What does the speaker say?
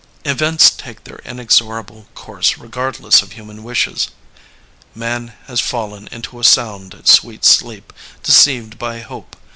Events take their inexorable course regardless of human wishes. *'Man has fallen into a sound, sweet sleep, deceived by hope.